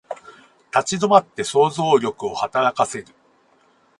立ち止まって想像力を働かせる